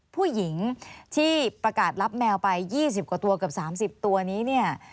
ผู้หญิงที่ประกาศรับแมวไป๒๐กว่าตัวเกือบ๓๐ตัวนี้เนี่ย